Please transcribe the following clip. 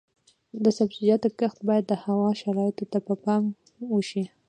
د سبزیجاتو کښت باید د هوا شرایطو ته په پام وشي.